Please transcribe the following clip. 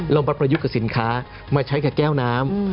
มาประยุกต์กับสินค้ามาใช้กับแก้วน้ำ